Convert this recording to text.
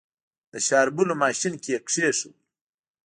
د شاربلو ماشين کې يې کېښود.